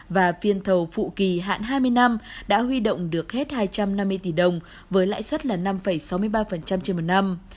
và phiên thầu phụ kỳ hạn hai mươi năm đã huy động được hết hai trăm năm mươi tỷ đồng với lãi suất là năm sáu mươi ba trên một năm